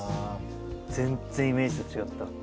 全然イメージと違った。